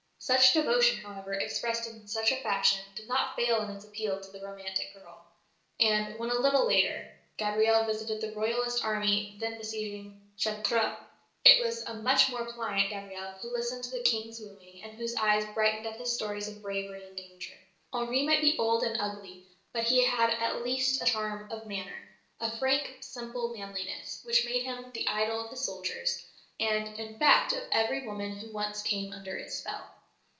Such devotion, however, expressed in such fashion, did not fail in its appeal to the romantic girl; and when, a little later, Gabrielle visited the Royalist army then besieging Chartres, it was a much more pliant Gabrielle who listened to the King's wooing and whose eyes brightened at his stories of bravery and danger. Henri might be old and ugly, but he had at least a charm of manner, a frank, simple manliness, which made him the idol of his soldiers and in fact of every woman who once came under its spell.